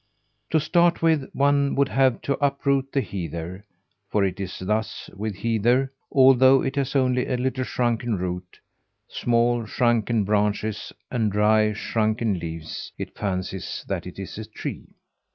To start with one would have to uproot the heather; for it is thus with heather: although it has only a little shrunken root, small shrunken branches, and dry, shrunken leaves it fancies that it's a tree.